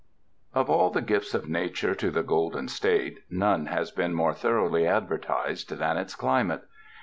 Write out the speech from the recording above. OF all the gifts of Nature to the Golden State, none has been more thoroughly advertised than its climate.